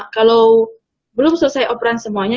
kalau belum selesai operan semuanya